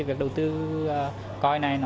việc đầu tư coin này